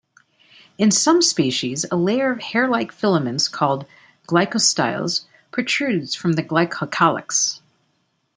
In some species, a layer of hair-like filaments called glycostyles protrudes from the glycocalyx.